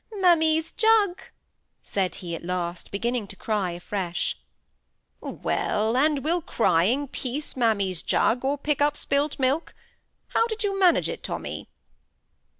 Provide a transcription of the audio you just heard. "Mammy's jug!" said he, at last, beginning to cry afresh. "Well! and will crying piece mammy's jug, or pick up spilt milk? How did you manage it, Tommy?"